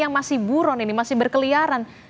yang masih buron ini masih berkeliaran